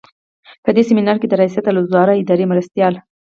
په دې سمینار کې د ریاستالوزراء اداري مرستیال.